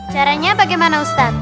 caranya bagaimana ustad